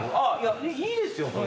いいですよそれ。